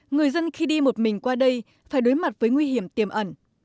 người dân khi đi một mình qua đây phải đối mặt với nguy hiểm tiềm ẩn